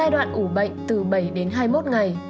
đoạn ủ bệnh từ bảy đến hai mươi một ngày